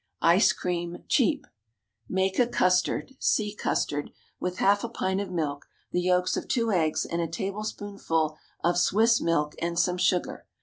ICE CREAM, CHEAP. Make a custard (see CUSTARD) with half a pint of milk, the yolks of two eggs, and a tablespoonful of Swiss milk and some sugar.